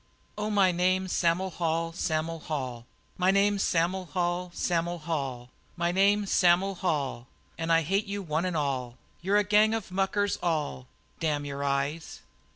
"Oh, my name's Sam'l Hall Sam'l Hall; My name's Sam'l Hall Sam'l Hall. My name is Sam'l Hall, And I hate you one an' all, You're a gang of muckers all Damn your eyes!"